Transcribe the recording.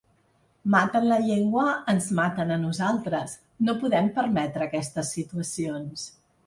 Maten la llengua, ens maten a nosaltres, no podem permetre aquestes situacions.